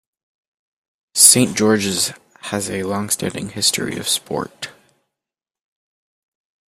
Saint George's has a longstanding history of sport.